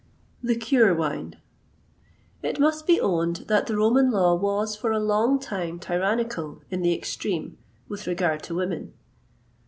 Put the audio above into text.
LIQUEUR WINE. It must be owned that the Roman law was, for a long time, tyrannical in the extreme with regard to women.